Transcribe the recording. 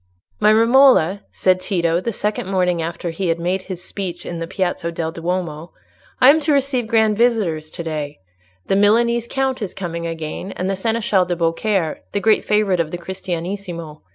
"My Romola," said Tito, the second morning after he had made his speech in the Piazza del Duomo, "I am to receive grand visitors to day; the Milanese Count is coming again, and the Seneschal de Beaucaire, the great favourite of the Cristianissimo.